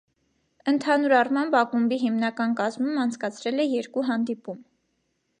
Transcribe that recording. Ընդհանուր առմամբ ակումբի հիմնական կազմում անցկացրել է երկու հանդիպում։